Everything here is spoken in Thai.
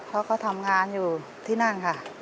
เพราะเขาทำงานอยู่ที่นั่นค่ะ